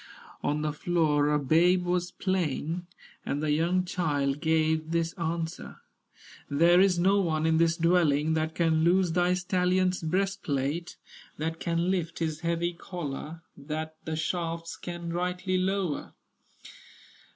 On the floor a babe was playing, And the young child gave this answer: "There is no one in this dwelling That can loose thy stallion's breastplate, That can lift his heavy collar, That the shafts can rightly lower."